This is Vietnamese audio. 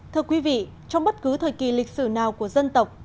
thưa quý vị trong bất cứ thời kỳ lịch sử nào của dân tộc